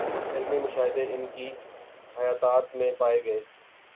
علمی مشاہدے ان کی حیاتیات میں پائے گئے